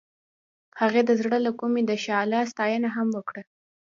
هغې د زړه له کومې د شعله ستاینه هم وکړه.